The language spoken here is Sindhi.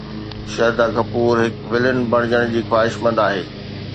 شرڌا ڪپور هڪ ولن بڻجڻ جي خواهشمند آهي